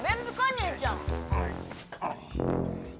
兄ちゃん。